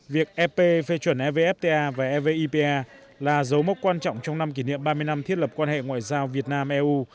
việc ep phê chuẩn evfta và evipa là dấu mốc quan trọng trong năm kỷ niệm ba mươi năm thiết lập quan hệ ngoại giao việt nam eu